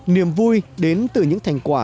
nhiềm vui đến từ những thành quả